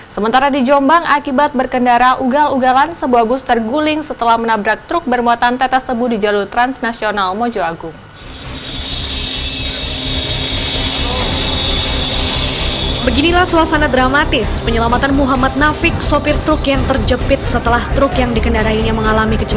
sementara di jombang akibat berkendara ugal ugalan sebuah bus terguling setelah menabrak truk bermuatan tetes tebu di jalur transnasional mojo agung